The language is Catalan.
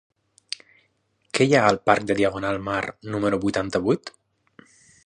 Què hi ha al parc de Diagonal Mar número vuitanta-vuit?